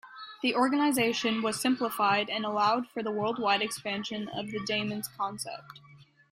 The organization was simplified and allowed for the worldwide expansion of the Damon's concept.